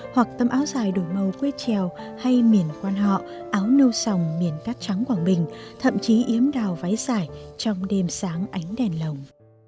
hoặc tấm áo dài đổi màu quét trèo hay miền quan họ áo nâu sòng miền cát trắng quảng bình thậm chí yếm đào váy dài trong đêm sáng ánh đèn lồng